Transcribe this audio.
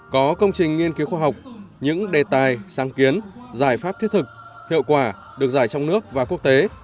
có công trình nghiên cứu khoa học những đề tài sáng kiến giải pháp thiết thực hiệu quả được giải trong nước và quốc tế